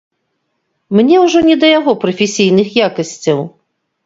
Мне ўжо не да яго прафесійных якасцяў.